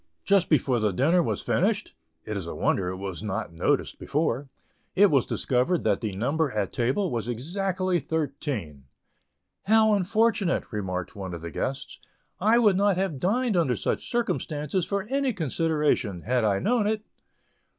Just before the dinner was finished (it is a wonder it was not noticed before) it was discovered that the number at table was exactly thirteen. "How very unfortunate," remarked one of the guests; "I would not have dined under such circumstances for any consideration, had I known it!"